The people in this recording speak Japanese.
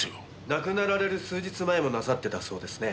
亡くなられる数日前もなさってたそうですねえ。